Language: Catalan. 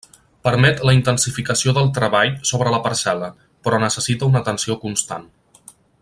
Permet la intensificació del treball sobre la parcel·la, però necessita una atenció constant.